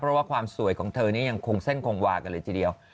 เพราะว่าความสวยของเธอนี้ยังคงเส้นคงวากันเลยทีเดียว